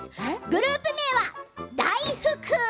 グループ名は大福！